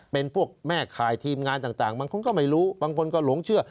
เป็นพวกแม่ข่ายทีมงานต่างบางคนก็ไม่รู้บางคนก็หลงเชื่อ